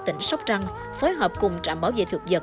tỉnh sóc trăng phối hợp cùng trạm bảo vệ thực vật